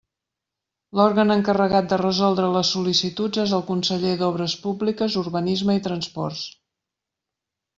L'òrgan encarregat de resoldre les sol·licituds és el conseller d'Obres Públiques, Urbanisme i Transports.